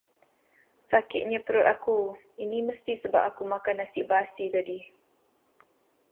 Sakitnya perut aku, ini mesti sebab aku makan nasi basi tadi.